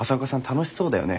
楽しそうだよね